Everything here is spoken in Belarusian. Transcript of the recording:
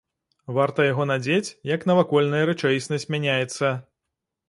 Варта яго надзець, як навакольная рэчаіснасць мяняецца.